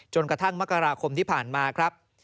จนกระทั่งมกราคมที่ผ่านมาครับ